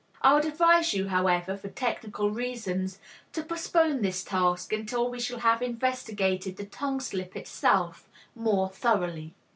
I would advise you, however, for technical reasons, to postpone this task until we shall have investigated the tongue slip itself more thoroughly.